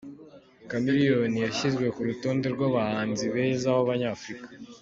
kamiriyoni yashyizwe ku rutonde rwa bahanzi beza b’Abanyafurika